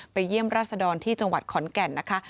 เยี่ยมราชดรที่จังหวัดขอนแก่นนะคะ